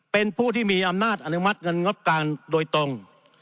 เป็นผู้ที่มีอำนาจอนุมัติเงินงบกลางโดยตรง